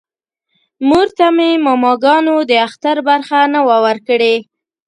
مور ته مې ماماګانو د اختر برخه نه وه ورکړې